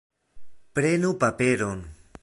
Prenu paperon.